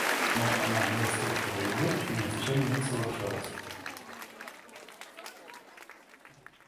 Но она не слушала его и ни с чем не соглашалась.